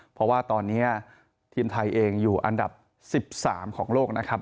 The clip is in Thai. เพราะว่าตอนนี้ทีมไทยเองอยู่อันดับ๑๓ของโลกนะครับ